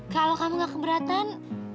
kalau kamu gak keberatan